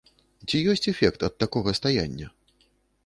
Ці ёсць эфект ад такога стаяння?